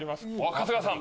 春日さん。